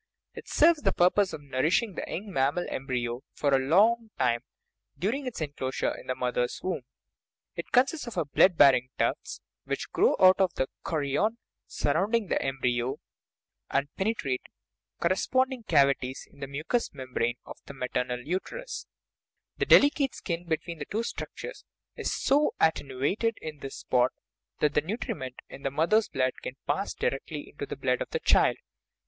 It serves the purpose of nourishing the young mammal embryo for a long time during its enclosure in the mother's womb; it consists of blood bearing tufts which grow out of the chorion surrounding the embryo, and pene trate corresponding cavities in the mucous membrane of the maternal uterus ; the delicate skin between the two structures is so attenuated in this spot that the nu triment in the mother's blood can pass directly into the blood of the child.